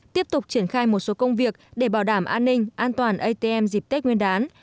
tiếp tục triển khai một số công việc để bảo đảm an ninh an toàn atm dịp tết nguyên đán